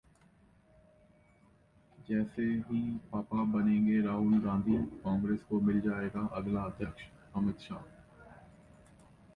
जैसे ही पापा बनेंगे राहुल गांधी, कांग्रेस को मिल जाएगा अगला अध्यक्षः अमित शाह